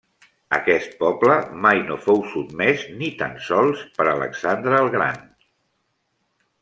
Aquest poble mai no fou sotmès ni tan sols per Alexandre el Gran.